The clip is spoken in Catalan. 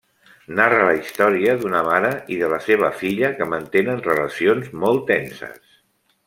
Narra la història d'una mare i de la seva filla que mantenen relacions molt tenses.